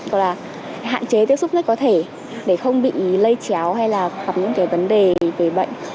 hoặc là hạn chế tiếp xúc rất có thể để không bị lây chéo hay là gặp những cái vấn đề về bệnh